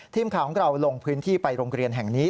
ทีมข่าวของเราลงพื้นที่ไปโรงเรียนแห่งนี้